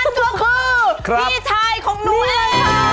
นั่นก็คือพี่ชายของนุ้มเอ้ย